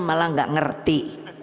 malah gak ngerti